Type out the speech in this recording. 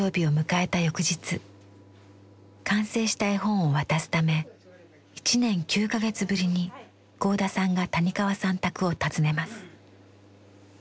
翌日完成した絵本を渡すため１年９か月ぶりに合田さんが谷川さん宅を訪ねます。